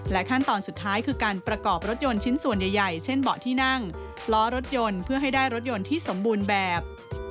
ขั้นตอนสุดท้ายคือการประกอบรถยนต์ชิ้นส่วนใหญ่เช่นเบาะที่นั่งล้อรถยนต์เพื่อให้ได้รถยนต์ที่สมบูรณ์แบบ